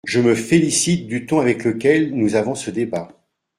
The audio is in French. Je me félicite du ton avec lequel nous avons ce débat.